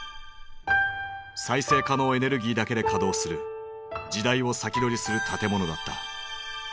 再生可能エネルギーだけで稼働する時代を先取りする建物だった。